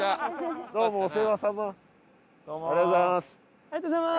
ありがとうございます！